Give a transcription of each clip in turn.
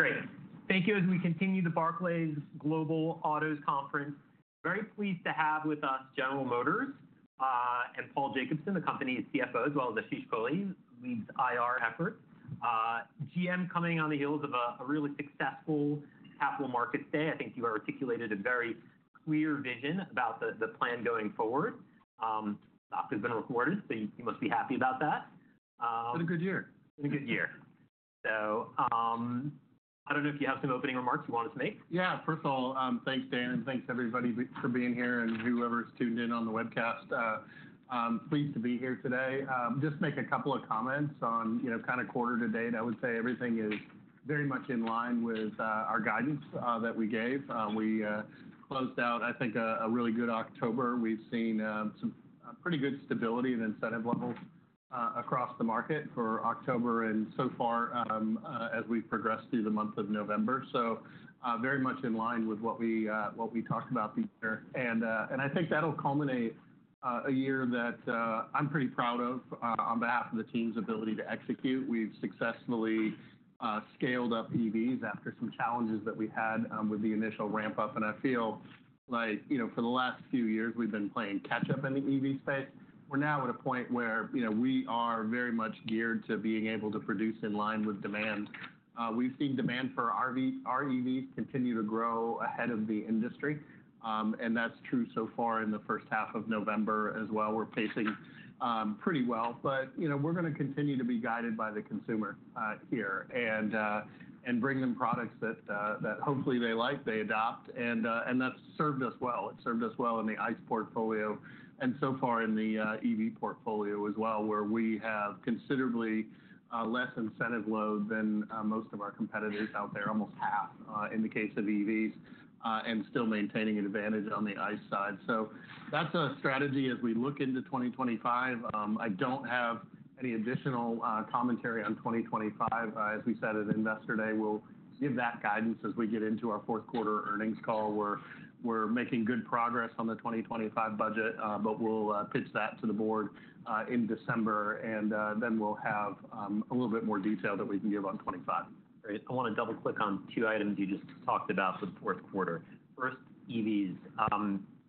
Okay. Great. Thank you. As we continue the Barclays Global Autos Conference, very pleased to have with us General Motors and Paul Jacobson, the company's CFO, as well as Ashish Kohli, who leads IR efforts. GM coming on the heels of a really successful Capital Markets Day. I think you articulated a very clear vision about the plan going forward. The stock has responded, so you must be happy about that. It's been a good year. It's been a good year. So I don't know if you have some opening remarks you wanted to make? Yeah. First of all, thanks, Dan, and thanks, everybody, for being here and whoever's tuned in on the webcast. Pleased to be here today. Just make a couple of comments on kind of quarter to date. I would say everything is very much in line with our guidance that we gave. We closed out, I think, a really good October. We've seen some pretty good stability in incentive levels across the market for October and so far as we've progressed through the month of November. So very much in line with what we talked about the year. And I think that'll culminate a year that I'm pretty proud of on behalf of the team's ability to execute. We've successfully scaled up EVs after some challenges that we had with the initial ramp-up. And I feel like for the last few years, we've been playing catch-up in the EV space. We're now at a point where we are very much geared to being able to produce in line with demand. We've seen demand for our EVs continue to grow ahead of the industry. And that's true so far in the first half of November as well. We're pacing pretty well. But we're going to continue to be guided by the consumer here and bring them products that hopefully they like, they adopt. And that's served us well. It's served us well in the ICE portfolio and so far in the EV portfolio as well, where we have considerably less incentive load than most of our competitors out there, almost half in the case of EVs, and still maintaining an advantage on the ICE side. So that's a strategy as we look into 2025. I don't have any additional commentary on 2025. As we said at Investor Day, we'll give that guidance as we get into our fourth quarter earnings call. We're making good progress on the 2025 budget, but we'll pitch that to the Board in December, and then we'll have a little bit more detail that we can give on 2025. Great. I want to double-click on two items you just talked about for the fourth quarter. First, EVs.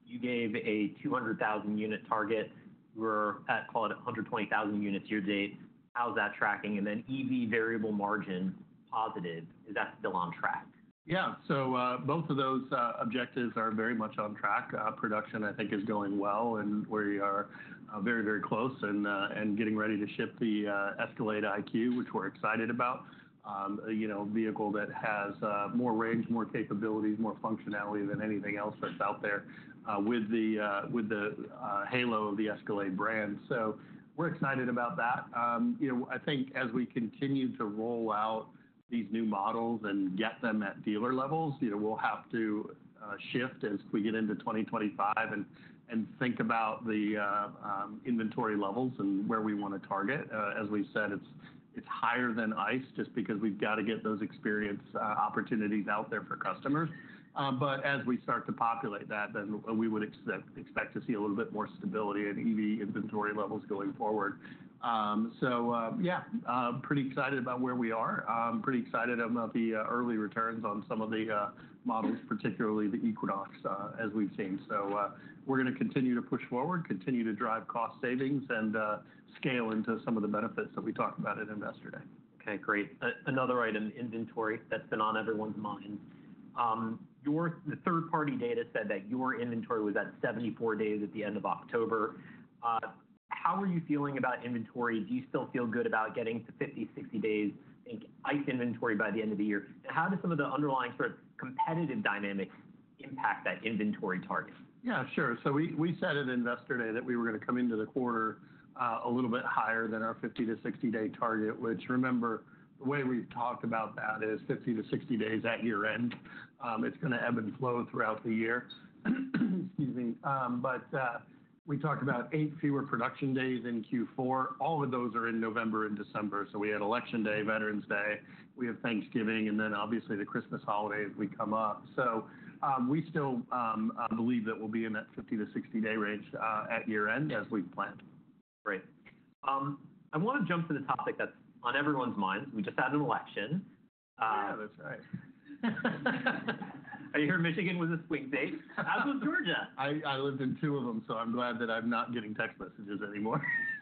You gave a 200,000-unit target. We're at, call it, 120,000 units year-to-date. How's that tracking? And then EV variable margin positive. Is that still on track? Yeah. So both of those objectives are very much on track. Production, I think, is going well, and we are very, very close and getting ready to ship the ESCALADE IQ, which we're excited about, a vehicle that has more range, more capabilities, more functionality than anything else that's out there with the halo of the Escalade brand. So we're excited about that. I think as we continue to roll out these new models and get them at dealer levels, we'll have to shift as we get into 2025 and think about the inventory levels and where we want to target. As we said, it's higher than ICE just because we've got to get those experience opportunities out there for customers. But as we start to populate that, then we would expect to see a little bit more stability in EV inventory levels going forward. Yeah, pretty excited about where we are. Pretty excited about the early returns on some of the models, particularly the Equinox, as we've seen. We're going to continue to push forward, continue to drive cost savings, and scale into some of the benefits that we talked about at Investor Day. Okay. Great. Another item, inventory, that's been on everyone's minds. The third-party data said that your inventory was at 74 days at the end of October. How are you feeling about inventory? Do you still feel good about getting to 50-60 days in ICE inventory by the end of the year? And how do some of the underlying sort of competitive dynamics impact that inventory target? Yeah, sure. So we said at Investor Day that we were going to come into the quarter a little bit higher than our 50-60 day target, which, remember, the way we've talked about that is 50-60 days at year-end. It's going to ebb and flow throughout the year. Excuse me. But we talked about eight fewer production days in Q4. All of those are in November and December. So we had Election Day, Veterans Day, we have Thanksgiving, and then obviously the Christmas holidays we come up. So we still believe that we'll be in that 50-60 day range at year-end as we've planned. Great. I want to jump to the topic that's on everyone's minds. We just had an election. Yeah, that's right. I hear Michigan was a swing state, as was Georgia. I lived in two of them, so I'm glad that I'm not getting text messages anymore.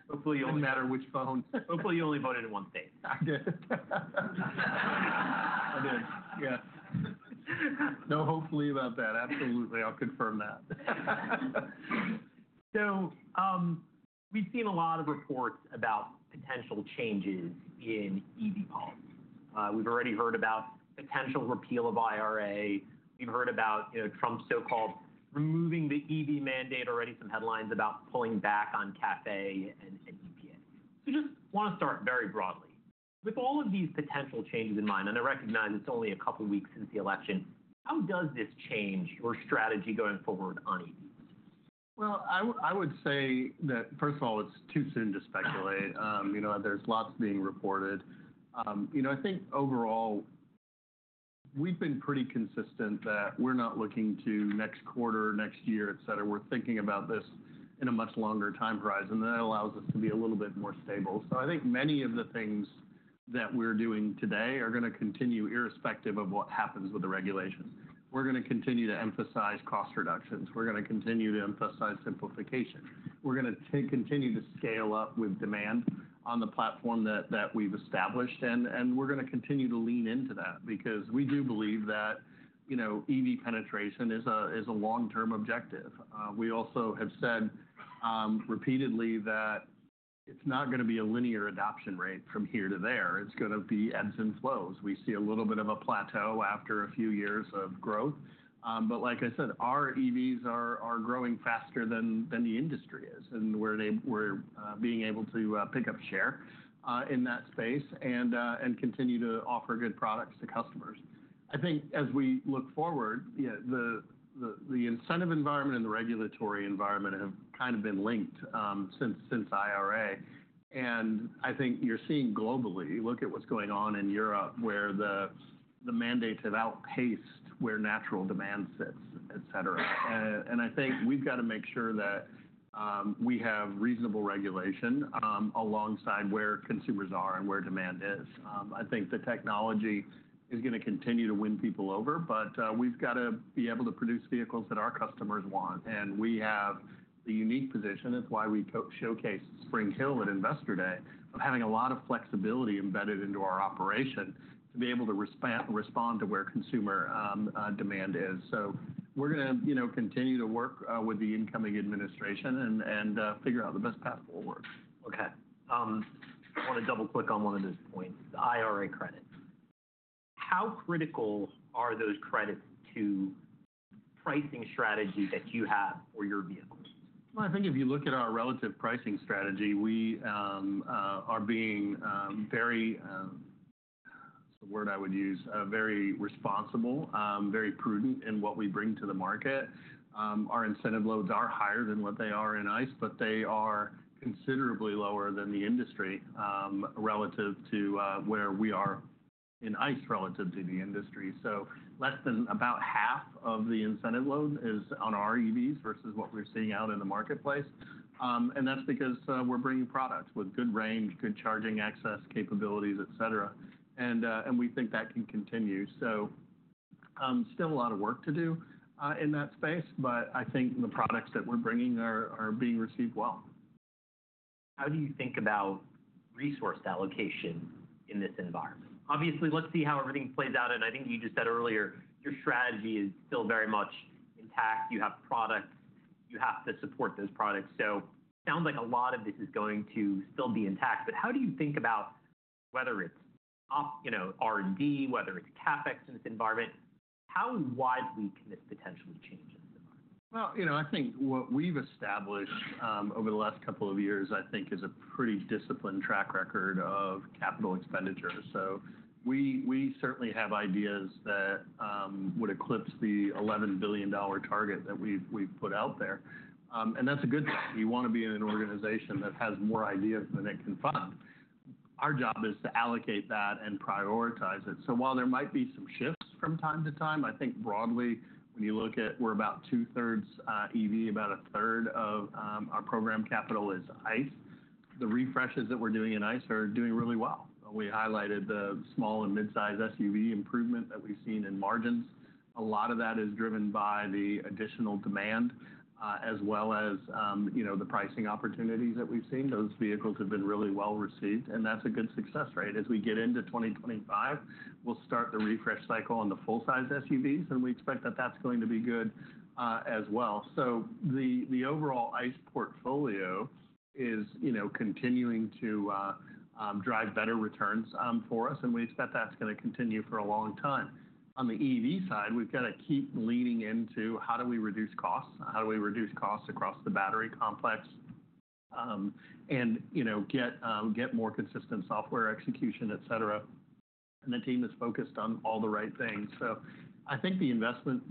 Hopefully, no matter which phone. Hopefully, you only voted in one state. I did. I did. Yeah. No, hopefully about that. Absolutely. I'll confirm that. So we've seen a lot of reports about potential changes in EV policy. We've already heard about potential repeal of IRA. We've heard about Trump's so-called removing the EV mandate already, some headlines about pulling back on CAFE and EPA. So just want to start very broadly. With all of these potential changes in mind, and I recognize it's only a couple of weeks since the election, how does this change your strategy going forward on EVs? Well, I would say that, first of all, it's too soon to speculate. There's lots being reported. I think overall, we've been pretty consistent that we're not looking to next quarter, next year, etc. We're thinking about this in a much longer time horizon. That allows us to be a little bit more stable. So I think many of the things that we're doing today are going to continue irrespective of what happens with the regulations. We're going to continue to emphasize cost reductions. We're going to continue to emphasize simplification. We're going to continue to scale up with demand on the platform that we've established. And we're going to continue to lean into that because we do believe that EV penetration is a long-term objective. We also have said repeatedly that it's not going to be a linear adoption rate from here to there. It's going to be ebbs and flows. We see a little bit of a plateau after a few years of growth. But like I said, our EVs are growing faster than the industry is and we're being able to pick up share in that space and continue to offer good products to customers. I think as we look forward, the incentive environment and the regulatory environment have kind of been linked since IRA. And I think you're seeing globally, look at what's going on in Europe, where the mandates have outpaced where natural demand sits, etc. And I think we've got to make sure that we have reasonable regulation alongside where consumers are and where demand is. I think the technology is going to continue to win people over, but we've got to be able to produce vehicles that our customers want. And we have the unique position, that's why we showcased Spring Hill at Investor Day, of having a lot of flexibility embedded into our operation to be able to respond to where consumer demand is. So we're going to continue to work with the incoming administration and figure out the best path forward. Okay. I want to double-click on one of those points, the IRA credits. How critical are those credits to pricing strategy that you have for your vehicles? I think if you look at our relative pricing strategy, we are being very, what's the word I would use, very responsible, very prudent in what we bring to the market. Our incentive loads are higher than what they are in ICE, but they are considerably lower than the industry relative to where we are in ICE relative to the industry. So less than about half of the incentive load is on our EVs versus what we're seeing out in the marketplace. And that's because we're bringing products with good range, good charging access, capabilities, etc. And we think that can continue. So still a lot of work to do in that space, but I think the products that we're bringing are being received well. How do you think about resource allocation in this environment? Obviously, let's see how everything plays out. And I think you just said earlier, your strategy is still very much intact. You have products. You have to support those products. So it sounds like a lot of this is going to still be intact. But how do you think about whether it's R&D, whether it's CapEx in this environment? How widely can this potentially change this environment? I think what we've established over the last couple of years, I think, is a pretty disciplined track record of capital expenditure. So we certainly have ideas that would eclipse the $11 billion target that we've put out there. And that's a good thing. You want to be in an organization that has more ideas than it can fund. Our job is to allocate that and prioritize it. So while there might be some shifts from time to time, I think broadly, when you look at we're about two-thirds EV, about a third of our program capital is ICE. The refreshes that we're doing in ICE are doing really well. We highlighted the small and mid-size SUV improvement that we've seen in margins. A lot of that is driven by the additional demand, as well as the pricing opportunities that we've seen. Those vehicles have been really well received, and that's a good success rate. As we get into 2025, we'll start the refresh cycle on the full-size SUVs, and we expect that that's going to be good as well, so the overall ICE portfolio is continuing to drive better returns for us, and we expect that's going to continue for a long time. On the EV side, we've got to keep leaning into how do we reduce costs, how do we reduce costs across the battery complex, and get more consistent software execution, etc., and the team is focused on all the right things, so I think the investment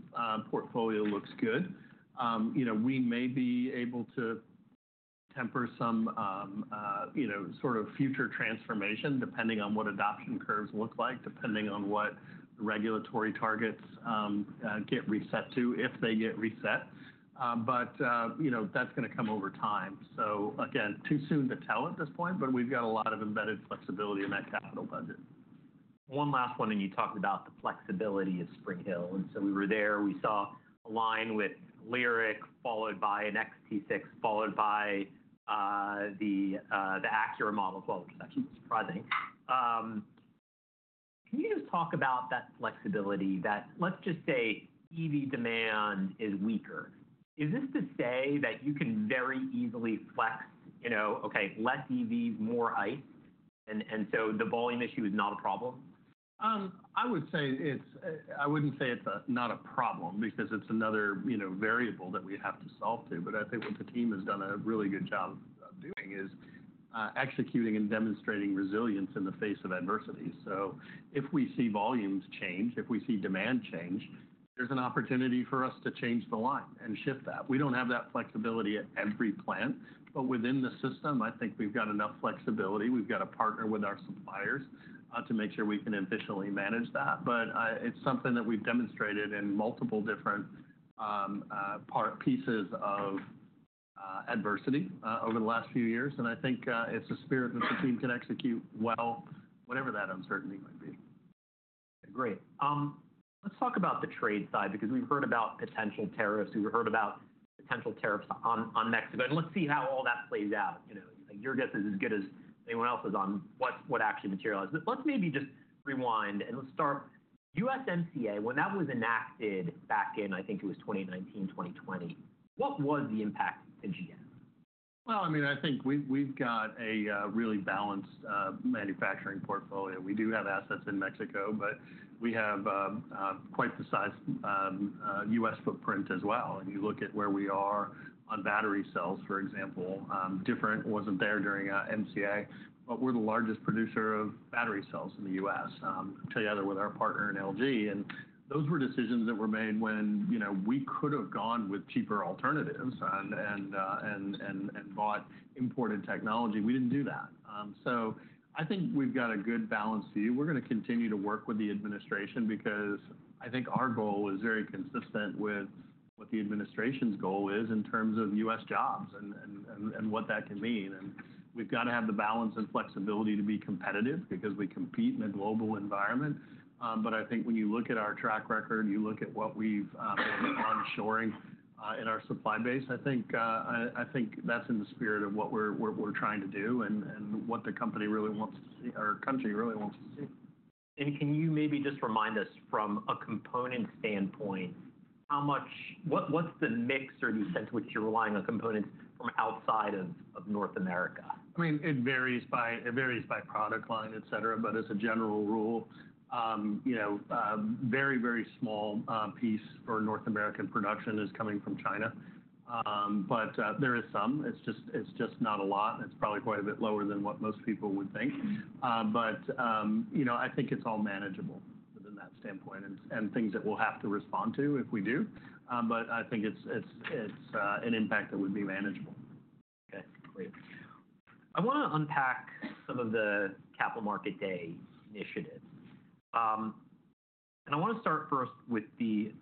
portfolio looks good. We may be able to temper some sort of future transformation, depending on what adoption curves look like, depending on what regulatory targets get reset to, if they get reset, but that's going to come over time. So again, too soon to tell at this point, but we've got a lot of embedded flexibility in that capital budget. One last one, and you talked about the flexibility of Spring Hill, and so we were there. We saw a line with LYRIQ, followed by an XT6, followed by the Acura model. Well, it was actually surprising. Can you just talk about that flexibility that, let's just say, EV demand is weaker? Is this to say that you can very easily flex, okay, less EVs, more ICE, and so the volume issue is not a problem? I would say I wouldn't say it's not a problem because it's another variable that we have to solve, too. But I think what the team has done a really good job of doing is executing and demonstrating resilience in the face of adversity. So if we see volumes change, if we see demand change, there's an opportunity for us to change the line and shift that. We don't have that flexibility at every plant, but within the system, I think we've got enough flexibility. We've got to partner with our suppliers to make sure we can efficiently manage that. But it's something that we've demonstrated in multiple different pieces of adversity over the last few years. And I think it's a spirit that the team can execute well, whatever that uncertainty might be. Great. Let's talk about the trade side because we've heard about potential tariffs. We've heard about potential tariffs on Mexico. And let's see how all that plays out. Your guess is as good as anyone else's on what actually materializes. But let's maybe just rewind and let's start. USMCA, when that was enacted back in, I think it was 2019-2020, what was the impact that you had? Well, I mean, I think we've got a really balanced manufacturing portfolio. We do have assets in Mexico, but we have quite a sizable U.S. footprint as well. And you look at where we are on battery cells, for example. Definitely wasn't there during USMCA, but we're the largest producer of battery cells in the U.S., together with our partner LG. And those were decisions that were made when we could have gone with cheaper alternatives and bought imported technology. We didn't do that. So I think we've got a good balanced view. We're going to continue to work with the administration because I think our goal is very consistent with what the administration's goal is in terms of U.S. jobs and what that can mean. And we've got to have the balance and flexibility to be competitive because we compete in a global environment. But I think when you look at our track record, you look at what we've been onshoring in our supply base, I think that's in the spirit of what we're trying to do and what the company really wants to see, or the country really wants to see. Can you maybe just remind us from a component standpoint, how much what's the mix or the extent to which you're relying on components from outside of North America? I mean, it varies by product line, etc., but as a general rule, very, very small piece for North American production is coming from China. But there is some. It's just not a lot. It's probably quite a bit lower than what most people would think. But I think it's all manageable within that standpoint and things that we'll have to respond to if we do. But I think it's an impact that would be manageable. Okay. Great. I want to unpack some of the Capital Markets Day initiatives. And I want to start first with the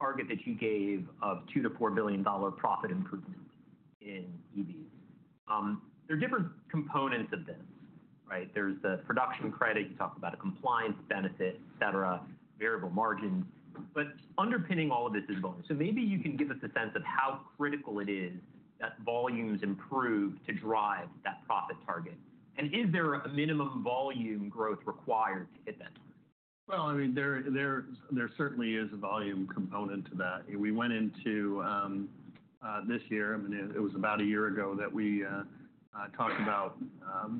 target that you gave of $2 billion-$4 billion profit improvement in EVs. There are different components of this, right? There's the production credit. You talked about a compliance benefit, etc., variable margins. But underpinning all of this is volume. So maybe you can give us a sense of how critical it is that volumes improve to drive that profit target. And is there a minimum volume growth required to hit that target? I mean, there certainly is a volume component to that. We went into this year, I mean, it was about a year ago that we talked about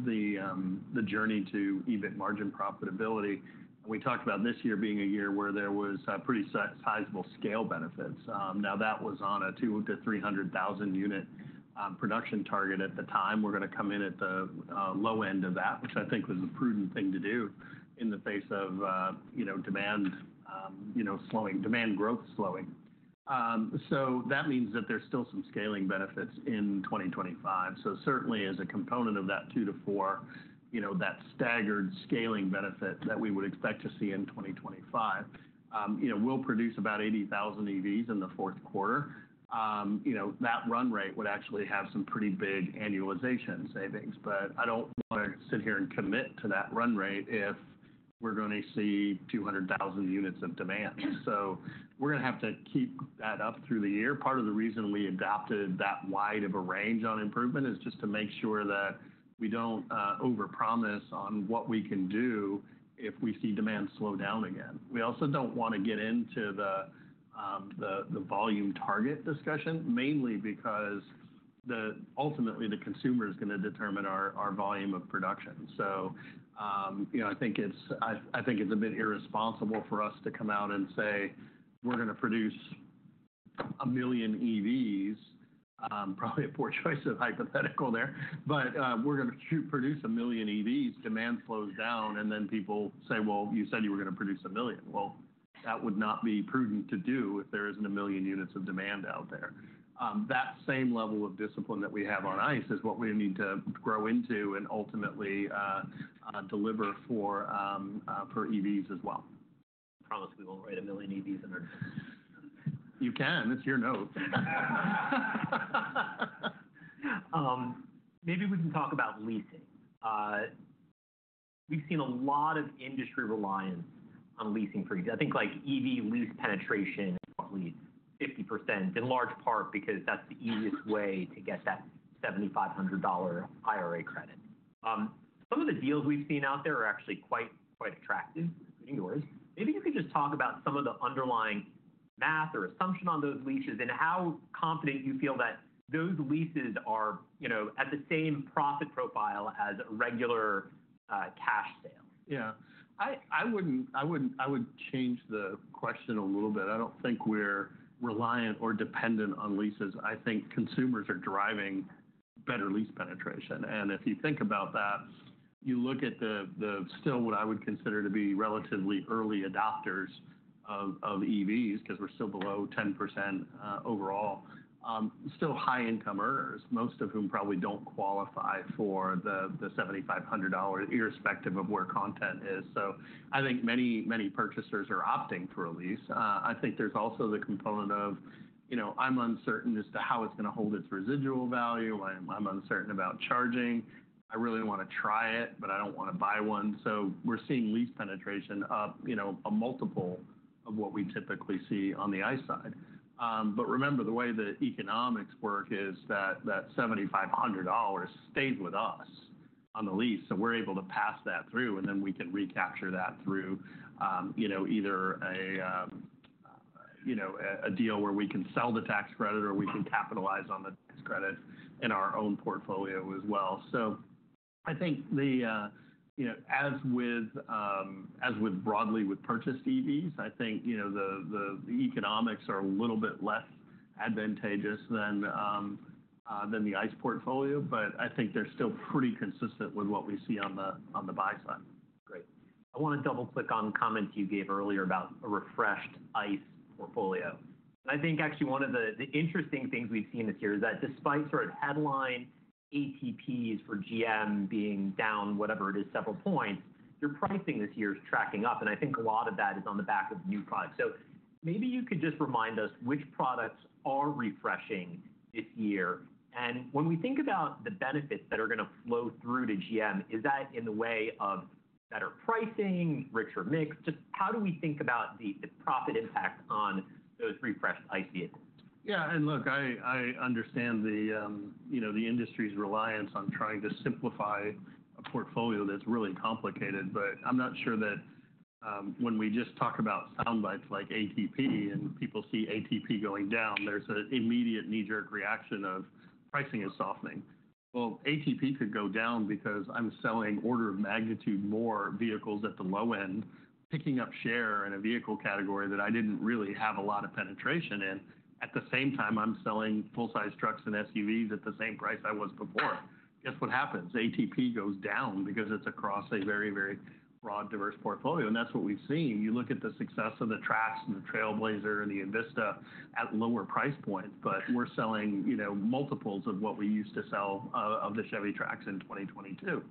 the journey to EBIT margin profitability. We talked about this year being a year where there was pretty sizable scale benefits. Now, that was on a 200,000-300,000 unit production target at the time. We're going to come in at the low end of that, which I think was a prudent thing to do in the face of demand slowing, demand growth slowing. So that means that there's still some scaling benefits in 2025. So certainly, as a component of that 2-4, that staggered scaling benefit that we would expect to see in 2025, we'll produce about 80,000 EVs in the fourth quarter. That run rate would actually have some pretty big annualization savings. But I don't want to sit here and commit to that run rate if we're going to see 200,000 units of demand. So we're going to have to keep that up through the year. Part of the reason we adopted that wide of a range on improvement is just to make sure that we don't overpromise on what we can do if we see demand slow down again. We also don't want to get into the volume target discussion, mainly because ultimately, the consumer is going to determine our volume of production. So I think it's a bit irresponsible for us to come out and say, "We're going to produce a million EVs," probably a poor choice of hypothetical there, "but we're going to produce a million EVs. Demand slows down," and then people say, "Well, you said you were going to produce a million." Well, that would not be prudent to do if there isn't a million units of demand out there. That same level of discipline that we have on ICE is what we need to grow into and ultimately deliver for EVs as well. I promise we won't write a million EVs in our notes. You can. It's your note. Maybe we can talk about leasing. We've seen a lot of industry reliance on leasing for EVs. I think EV lease penetration is probably 50%, in large part because that's the easiest way to get that $7,500 IRA credit. Some of the deals we've seen out there are actually quite attractive, including yours. Maybe you could just talk about some of the underlying math or assumption on those leases and how confident you feel that those leases are at the same profit profile as regular cash sales? Yeah. I would change the question a little bit. I don't think we're reliant or dependent on leases. I think consumers are driving better lease penetration. And if you think about that, you look at the still what I would consider to be relatively early adopters of EVs, because we're still below 10% overall, still high-income earners, most of whom probably don't qualify for the $7,500, irrespective of where content is. So I think many purchasers are opting for a lease. I think there's also the component of, "I'm uncertain as to how it's going to hold its residual value. I'm uncertain about charging. I really want to try it, but I don't want to buy one." So we're seeing lease penetration up a multiple of what we typically see on the ICE side. But remember, the way the economics work is that $7,500 stays with us on the lease. So we're able to pass that through, and then we can recapture that through either a deal where we can sell the tax credit or we can capitalize on the tax credit in our own portfolio as well. So I think as with broadly purchased EVs, I think the economics are a little bit less advantageous than the ICE portfolio, but I think they're still pretty consistent with what we see on the buy side. Great. I want to double-click on comments you gave earlier about a refreshed ICE portfolio. And I think actually one of the interesting things we've seen this year is that despite sort of headline ATPs for GM being down whatever it is, several points, your pricing this year is tracking up. And I think a lot of that is on the back of new products. So maybe you could just remind us which products are refreshing this year? And when we think about the benefits that are going to flow through to GM, is that in the way of better pricing, richer mix? Just how do we think about the profit impact on those refreshed ICEs? Yeah. And look, I understand the industry's reliance on trying to simplify a portfolio that's really complicated, but I'm not sure that when we just talk about sound bites like ATP and people see ATP going down, there's an immediate knee-jerk reaction of pricing is softening. Well, ATP could go down because I'm selling order of magnitude more vehicles at the low end, picking up share in a vehicle category that I didn't really have a lot of penetration in. At the same time, I'm selling full-size trucks and SUVs at the same price I was before. Guess what happens? ATP goes down because it's across a very, very broad, diverse portfolio. And that's what we've seen. You look at the success of the Trax and the Trailblazer and the Envista at lower price points, but we're selling multiples of what we used to sell of the Chevy Trax in 2022.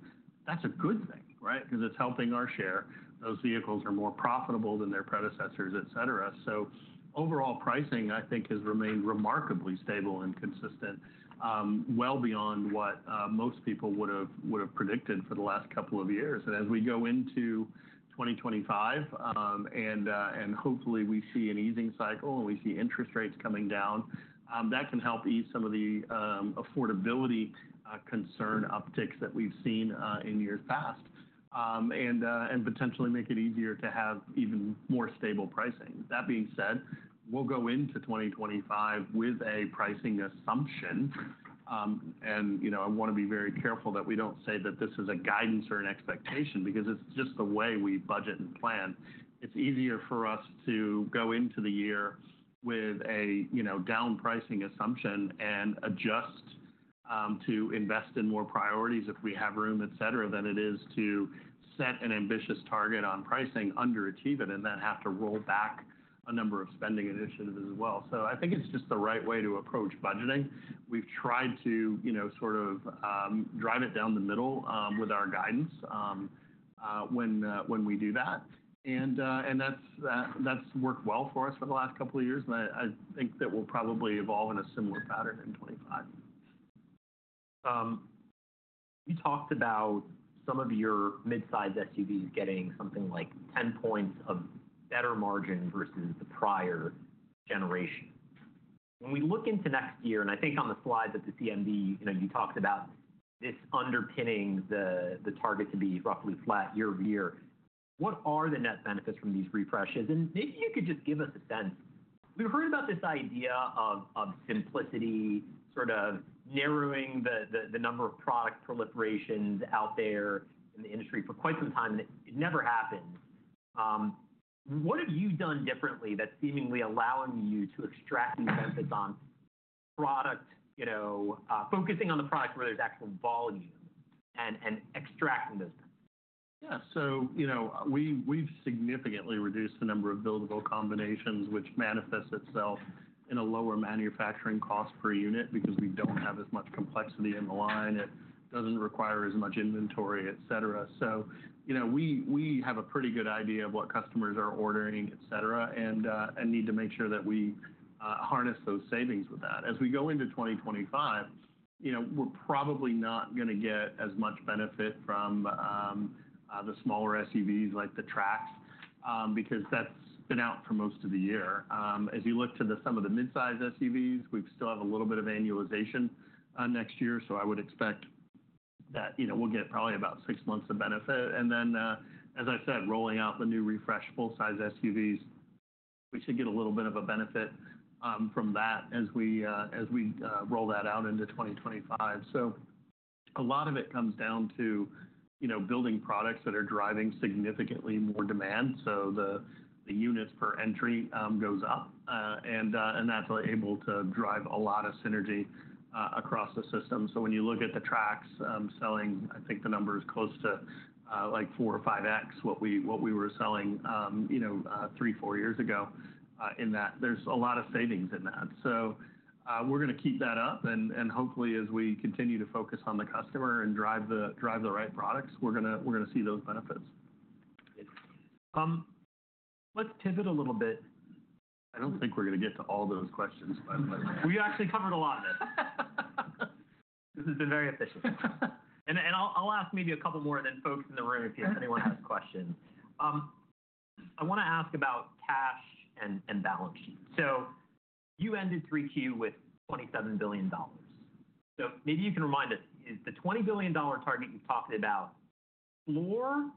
That's a good thing, right? Because it's helping our share. Those vehicles are more profitable than their predecessors, etc. So overall pricing, I think, has remained remarkably stable and consistent, well beyond what most people would have predicted for the last couple of years. And as we go into 2025, and hopefully we see an easing cycle and we see interest rates coming down, that can help ease some of the affordability concern upticks that we've seen in years past and potentially make it easier to have even more stable pricing. That being said, we'll go into 2025 with a pricing assumption. And I want to be very careful that we don't say that this is a guidance or an expectation because it's just the way we budget and plan. It's easier for us to go into the year with a down pricing assumption and adjust to invest in more priorities if we have room, etc., than it is to set an ambitious target on pricing, underachieve it, and then have to roll back a number of spending initiatives as well. So I think it's just the right way to approach budgeting. We've tried to sort of drive it down the middle with our guidance when we do that. And that's worked well for us for the last couple of years. And I think that we'll probably evolve in a similar pattern in 2025. You talked about some of your mid-size SUVs getting something like 10 points of better margin versus the prior generation. When we look into next year, and I think on the slides at the CMD, you talked about this underpinning the target to be roughly flat year over year. What are the net benefits from these refreshes? And maybe you could just give us a sense. We've heard about this idea of simplicity, sort of narrowing the number of product proliferations out there in the industry for quite some time, and it never happens. What have you done differently that's seemingly allowing you to extract these benefits on product, focusing on the product where there's actual volume and extracting those benefits? Yeah. So we've significantly reduced the number of buildable combinations, which manifests itself in a lower manufacturing cost per unit because we don't have as much complexity in the line. It doesn't require as much inventory, etc. So we have a pretty good idea of what customers are ordering, etc., and need to make sure that we harness those savings with that. As we go into 2025, we're probably not going to get as much benefit from the smaller SUVs like the Trax because that's been out for most of the year. As you look to some of the mid-size SUVs, we still have a little bit of annualization next year. So I would expect that we'll get probably about six months of benefit. And then, as I said, rolling out the new refreshed full-size SUVs, we should get a little bit of a benefit from that as we roll that out into 2025. So a lot of it comes down to building products that are driving significantly more demand. So the units per entry goes up, and that's able to drive a lot of synergy across the system. So when you look at the Trax selling, I think the number is close to like four or five times what we were selling three, four years ago in that. There's a lot of savings in that. So we're going to keep that up. And hopefully, as we continue to focus on the customer and drive the right products, we're going to see those benefits. Let's pivot a little bit. I don't think we're going to get to all those questions. But we actually covered a lot of this. This has been very efficient, and I'll ask maybe a couple more to folks in the room if anyone has questions. I want to ask about cash and balance sheets. So you ended 3Q with $27 billion. So maybe you can remind us, is the $20 billion target you've talked about floor,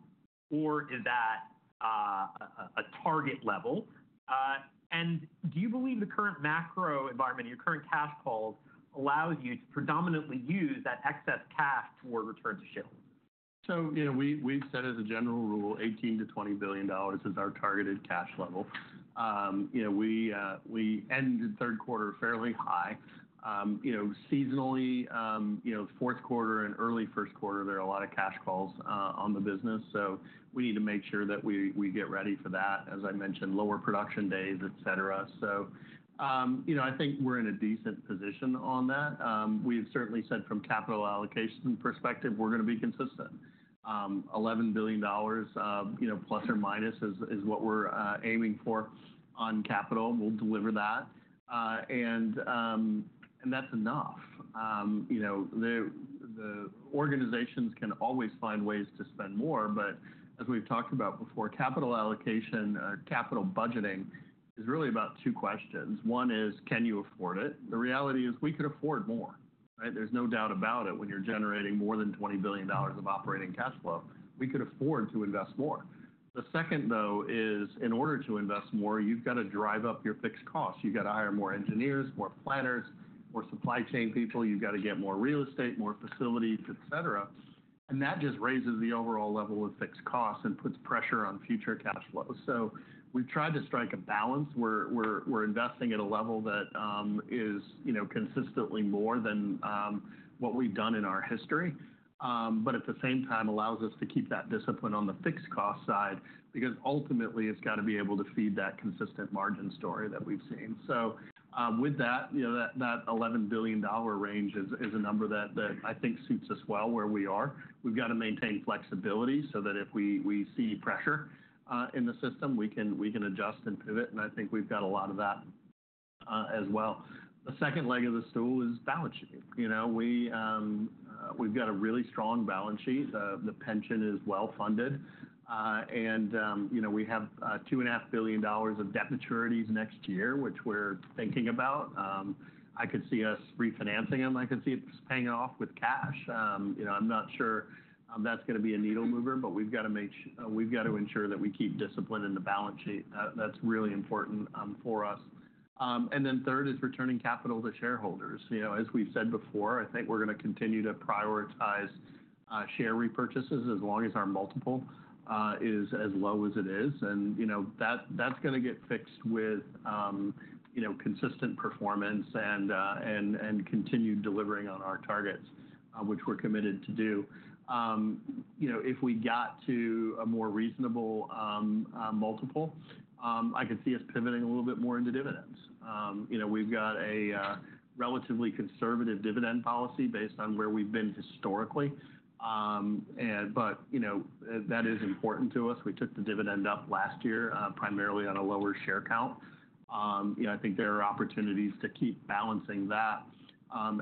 or is that a target level? And do you believe the current macro environment, your current cash pile, allows you to predominantly use that excess cash toward return to shareholder? So we've said as a general rule, $18 billion-$20 billion is our targeted cash level. We ended third quarter fairly high. Seasonally, fourth quarter and early first quarter, there are a lot of cash calls on the business. So we need to make sure that we get ready for that, as I mentioned, lower production days, etc. So I think we're in a decent position on that. We've certainly said from capital allocation perspective, we're going to be consistent. $11 billion, plus or minus, is what we're aiming for on capital. We'll deliver that. And that's enough. The organizations can always find ways to spend more. But as we've talked about before, capital allocation, capital budgeting is really about two questions. One is, can you afford it? The reality is we could afford more, right? There's no doubt about it. When you're generating more than $20 billion of operating cash flow, we could afford to invest more. The second, though, is in order to invest more, you've got to drive up your fixed costs. You've got to hire more engineers, more planners, more supply chain people. You've got to get more real estate, more facilities, etc., and that just raises the overall level of fixed costs and puts pressure on future cash flows. So we've tried to strike a balance. We're investing at a level that is consistently more than what we've done in our history, but at the same time, allows us to keep that discipline on the fixed cost side because ultimately, it's got to be able to feed that consistent margin story that we've seen. So with that, that $11 billion range is a number that I think suits us well where we are. We've got to maintain flexibility so that if we see pressure in the system, we can adjust and pivot, and I think we've got a lot of that as well. The second leg of the stool is balance sheet. We've got a really strong balance sheet. The pension is well funded, and we have $2.5 billion of debt maturities next year, which we're thinking about. I could see us refinancing them. I could see us paying it off with cash. I'm not sure that's going to be a needle mover, but we've got to ensure that we keep discipline in the balance sheet. That's really important for us, and then third is returning capital to shareholders. As we've said before, I think we're going to continue to prioritize share repurchases as long as our multiple is as low as it is. That's going to get fixed with consistent performance and continued delivering on our targets, which we're committed to do. If we got to a more reasonable multiple, I could see us pivoting a little bit more into dividends. We've got a relatively conservative dividend policy based on where we've been historically. But that is important to us. We took the dividend up last year primarily on a lower share count. I think there are opportunities to keep balancing that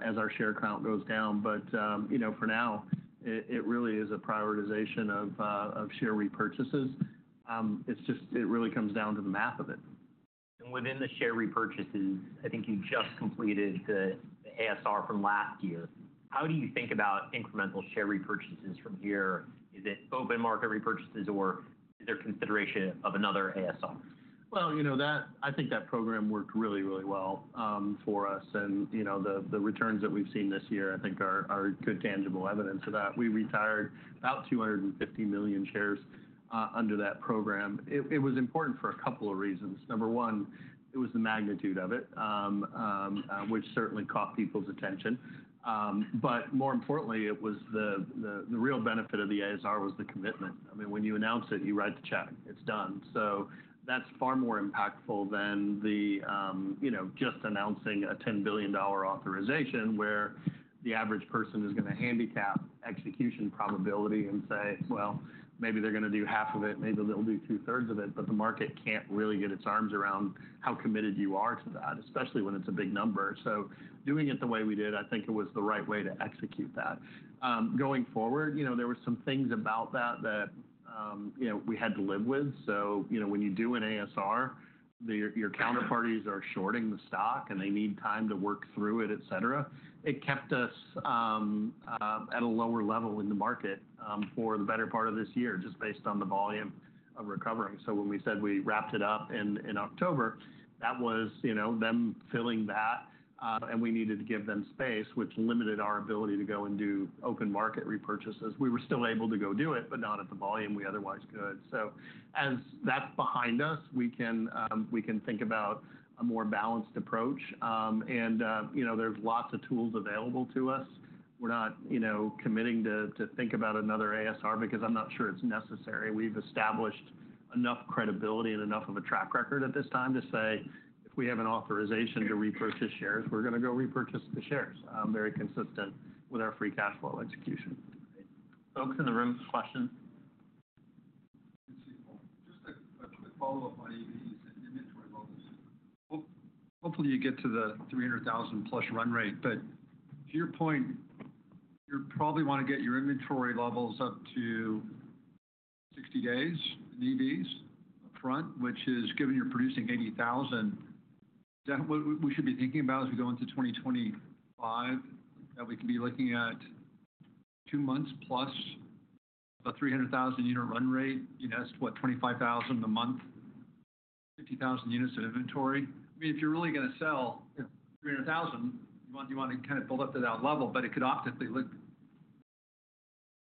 as our share count goes down. But for now, it really is a prioritization of share repurchases. It really comes down to the math of it. Within the share repurchases, I think you just completed the ASR from last year. How do you think about incremental share repurchases from here? Is it open market repurchases, or is there consideration of another ASR? I think that program worked really, really well for us. And the returns that we've seen this year, I think, are good tangible evidence of that. We retired about 250 million shares under that program. It was important for a couple of reasons. Number one, it was the magnitude of it, which certainly caught people's attention. But more importantly, the real benefit of the ASR was the commitment. I mean, when you announce it, you write the check. It's done. So that's far more impactful than just announcing a $10 billion authorization where the average person is going to handicap execution probability and say, well, maybe they're going to do half of it, maybe they'll do two-thirds of it, but the market can't really get its arms around how committed you are to that, especially when it's a big number. So doing it the way we did, I think it was the right way to execute that. Going forward, there were some things about that that we had to live with. So when you do an ASR, your counterparties are shorting the stock, and they need time to work through it, etc. It kept us at a lower level in the market for the better part of this year just based on the volume of recovering. So when we said we wrapped it up in October, that was them filling that. And we needed to give them space, which limited our ability to go and do open market repurchases. We were still able to go do it, but not at the volume we otherwise could. So as that's behind us, we can think about a more balanced approach. And there's lots of tools available to us. We're not committing to think about another ASR because I'm not sure it's necessary. We've established enough credibility and enough of a track record at this time to say if we have an authorization to repurchase shares, we're going to go repurchase the shares. Very consistent with our free cash flow execution. Folks in the room, questions? Just a quick follow-up on EVs and inventory levels. Hopefully, you get to the 300,000 plus run rate. But to your point, you probably want to get your inventory levels up to 60 days in EVs upfront, which is, given you're producing 80,000, we should be thinking about as we go into 2025 that we could be looking at two months plus a 300,000-unit run rate as to what, 25,000 a month, 50,000 units of inventory. I mean, if you're really going to sell 300,000, you want to kind of build up to that level. But it could optically look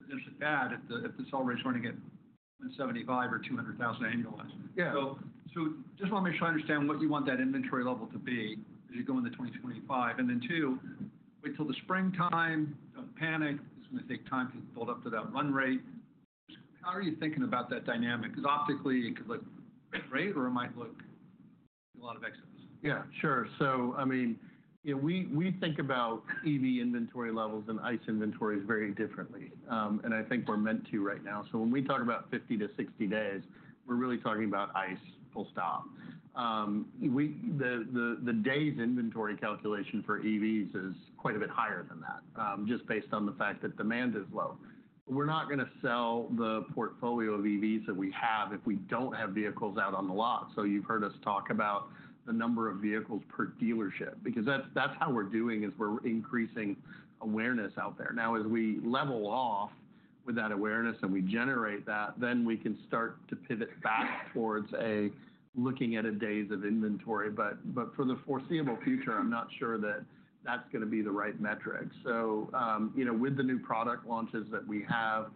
potentially bad if the sell rates weren't to get 75 or 200,000 annualized. So just want to make sure I understand what you want that inventory level to be as we go into 2025. And then two, wait till the spring time, don't panic. It's going to take time to build up to that run rate. How are you thinking about that dynamic? Because optically, it could look great, or it might look a lot of excess. Yeah, sure. So I mean, we think about EV inventory levels and ICE inventories very differently, and I think we're meant to right now, so when we talk about 50-60 days, we're really talking about ICE, full stop. The days inventory calculation for EVs is quite a bit higher than that, just based on the fact that demand is low. We're not going to sell the portfolio of EVs that we have if we don't have vehicles out on the lot, so you've heard us talk about the number of vehicles per dealership because that's how we're doing is we're increasing awareness out there. Now, as we level off with that awareness and we generate that, then we can start to pivot back towards looking at days of inventory, but for the foreseeable future, I'm not sure that that's going to be the right metric. So with the new product launches that we have,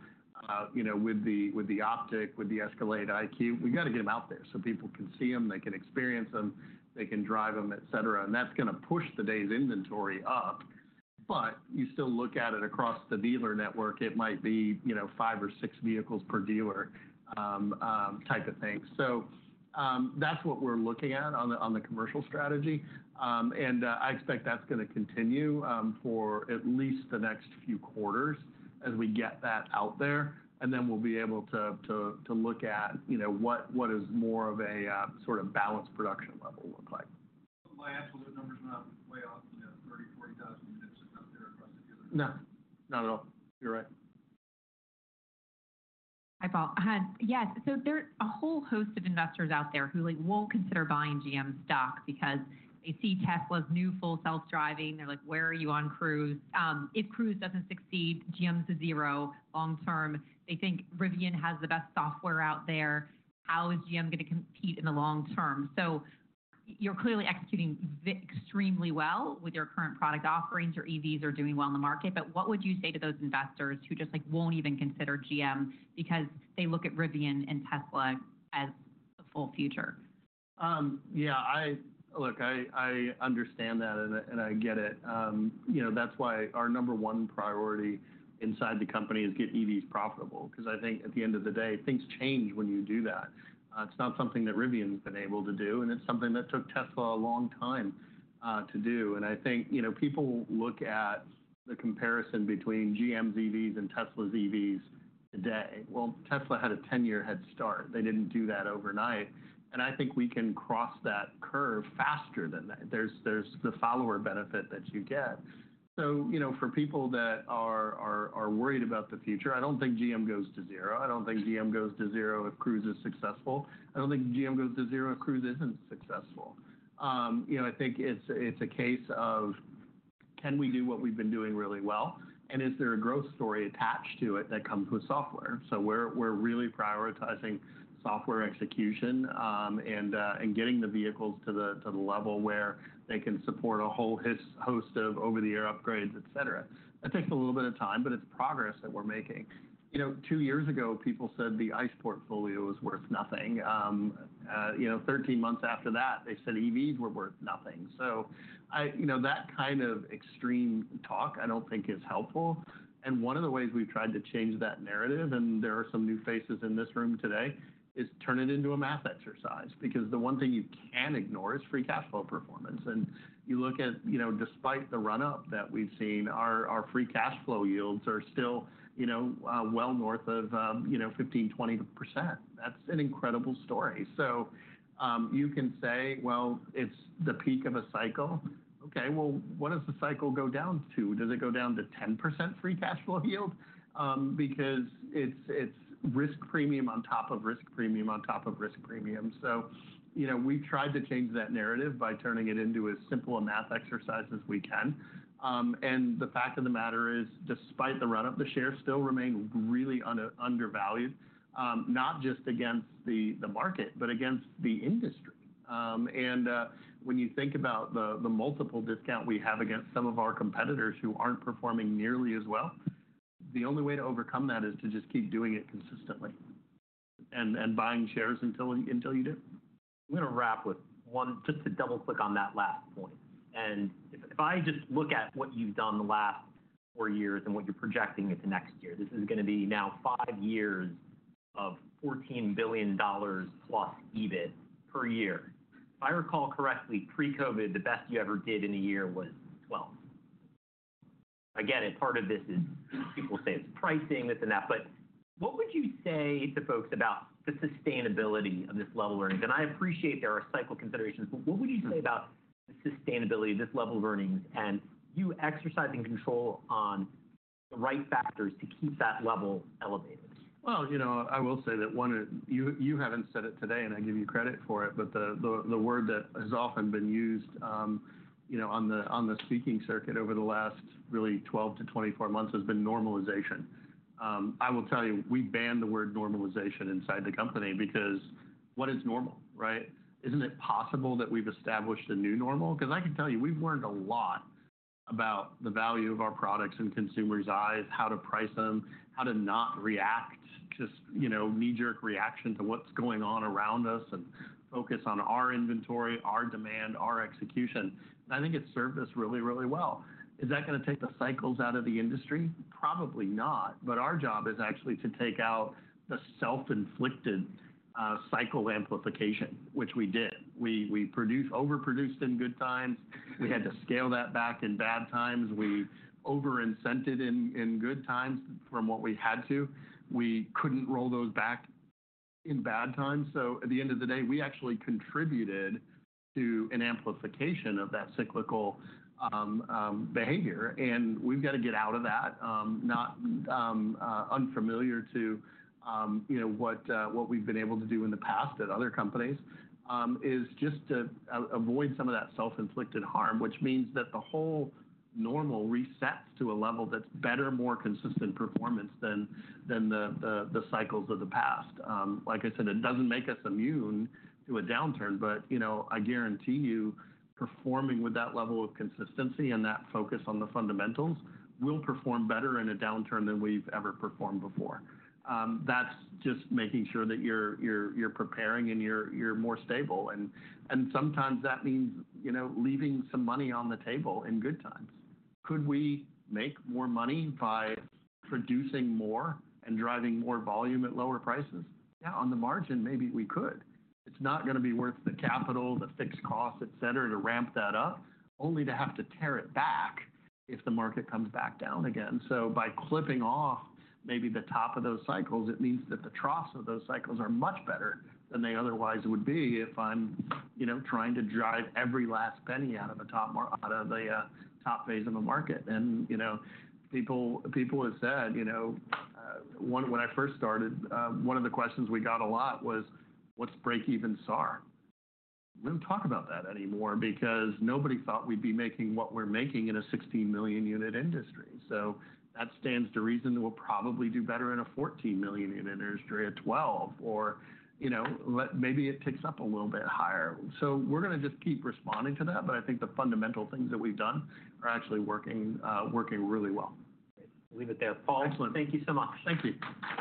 with the OPTIQ, with the ESCALADE IQ, we've got to get them out there so people can see them, they can experience them, they can drive them, etc. And that's going to push the days inventory up. But you still look at it across the dealer network; it might be five or six vehicles per dealer type of thing. So that's what we're looking at on the commercial strategy. And I expect that's going to continue for at least the next few quarters as we get that out there. And then we'll be able to look at what is more of a sort of balanced production level look like. My absolute numbers went up way over 30-40,000 units up there across the dealers. No, not at all. You're right. Hi Paul. Yes. So there are a whole host of investors out there who will consider buying GM stock because they see Tesla's new Full Self-Driving. They're like, "Where are you on Cruise?" If Cruise doesn't succeed, GM's a zero long-term. They think Rivian has the best software out there. How is GM going to compete in the long-term? So you're clearly executing extremely well with your current product offerings. Your EVs are doing well in the market. But what would you say to those investors who just won't even consider GM because they look at Rivian and Tesla as the full future? Yeah. Look, I understand that, and I get it. That's why our number one priority inside the company is to get EVs profitable because I think at the end of the day, things change when you do that. It's not something that Rivian's been able to do, and it's something that took Tesla a long time to do. And I think people look at the comparison between GM's EVs and Tesla's EVs today. Well, Tesla had a 10-year head start. They didn't do that overnight. And I think we can cross that curve faster than that. There's the follower benefit that you get. So for people that are worried about the future, I don't think GM goes to zero. I don't think GM goes to zero if Cruise is successful. I don't think GM goes to zero if Cruise isn't successful. I think it's a case of, can we do what we've been doing really well, and is there a growth story attached to it that comes with software? So we're really prioritizing software execution and getting the vehicles to the level where they can support a whole host of over-the-air upgrades, etc. That takes a little bit of time, but it's progress that we're making. Two years ago, people said the ICE portfolio was worth nothing. 13 months after that, they said EVs were worth nothing, so that kind of extreme talk, I don't think is helpful. And one of the ways we've tried to change that narrative, and there are some new faces in this room today, is turn it into a math exercise because the one thing you can ignore is free cash flow performance. You look at, despite the run-up that we've seen, our free cash flow yields are still well north of 15%-20%. That's an incredible story. So you can say, well, it's the peak of a cycle. Okay, well, what does the cycle go down to? Does it go down to 10% free cash flow yield? Because it's risk premium on top of risk premium on top of risk premium. So we've tried to change that narrative by turning it into as simple a math exercise as we can. And the fact of the matter is, despite the run-up, the shares still remain really undervalued, not just against the market, but against the industry. When you think about the multiple discount we have against some of our competitors who aren't performing nearly as well, the only way to overcome that is to just keep doing it consistently and buying shares until you do. I'm going to wrap with just to double-click on that last point. And if I just look at what you've done the last four years and what you're projecting into next year, this is going to be now five years of $14 billion plus EBIT per year. If I recall correctly, pre-COVID, the best you ever did in a year was $12 billion. I get it. Part of this is people say it's pricing, this and that. But what would you say to folks about the sustainability of this level of earnings? And I appreciate there are cycle considerations, but what would you say about the sustainability of this level of earnings and you exercising control on the right factors to keep that level elevated? I will say that you haven't said it today, and I give you credit for it, but the word that has often been used on the speaking circuit over the last really 12-24 months has been normalization. I will tell you, we ban the word normalization inside the company because what is normal, right? Isn't it possible that we've established a new normal? Because I can tell you, we've learned a lot about the value of our products in consumers' eyes, how to price them, how to not react, just knee-jerk reaction to what's going on around us and focus on our inventory, our demand, our execution. And I think it's served us really, really well. Is that going to take the cycles out of the industry? Probably not. But our job is actually to take out the self-inflicted cycle amplification, which we did. We overproduced in good times. We had to scale that back in bad times. We over-incented in good times from what we had to. We couldn't roll those back in bad times. So at the end of the day, we actually contributed to an amplification of that cyclical behavior. And we've got to get out of that. Not unfamiliar to what we've been able to do in the past at other companies is just to avoid some of that self-inflicted harm, which means that the whole normal resets to a level that's better, more consistent performance than the cycles of the past. Like I said, it doesn't make us immune to a downturn, but I guarantee you, performing with that level of consistency and that focus on the fundamentals will perform better in a downturn than we've ever performed before. That's just making sure that you're preparing and you're more stable. And sometimes that means leaving some money on the table in good times. Could we make more money by producing more and driving more volume at lower prices? Yeah, on the margin, maybe we could. It's not going to be worth the capital, the fixed costs, etc., to ramp that up, only to have to tear it back if the market comes back down again. So by clipping off maybe the top of those cycles, it means that the troughs of those cycles are much better than they otherwise would be if I'm trying to drive every last penny out of the top phase of a market. And people have said, when I first started, one of the questions we got a lot was, what's break-even SAAR? We don't talk about that anymore because nobody thought we'd be making what we're making in a 16 million unit industry. So that stands to reason that we'll probably do better in a 14 million unit industry at 12, or maybe it ticks up a little bit higher. So we're going to just keep responding to that. But I think the fundamental things that we've done are actually working really well. Leave it there. Paul, thank you so much. Excellent. Thank you.